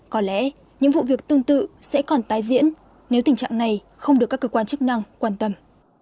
có lẽ những vụ việc tương tự sẽ còn tái diễn nếu tình trạng này không được các cơ quan chức năng quan tâm